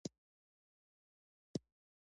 کوم تاریخي شواهد موجود دي.